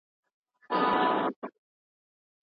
هېڅوک په یوه شپه کې نه شتمن کېږي.